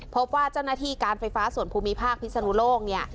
พบว่าเจ้าหน้าที่การไฟฟ้าส่วนภูมิภาคพิศนุโลกเนี่ย